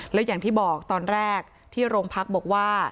แล้วอย่างที่บอกตอนแรกที่โรงพักบอกว่า